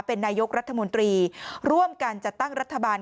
เป็นนายกรัฐมนตรีร่วมกันจัดตั้งรัฐบาล